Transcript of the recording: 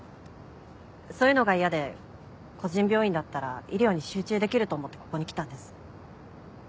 そういうのが嫌で個人病院だったら医療に集中できると思ってここに来たんです。